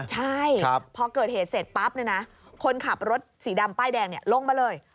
ใช่พอเกิดเหตุเสร็จปั๊บคนขับรถสีดำป้ายแดงลงมาเลย